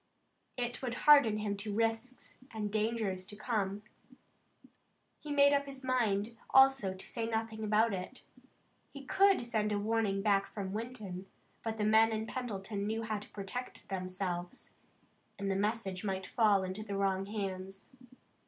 It would harden him to risks and dangers to come. He made up his mind, also, to say nothing about it. He could send a warning back from Winton, but the men in Pendleton knew how to protect themselves, and the message might fall into wrong hands.